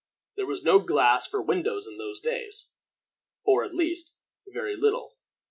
There was no glass for windows in those days, or, at least, very little.